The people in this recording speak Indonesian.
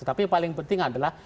tapi paling penting adalah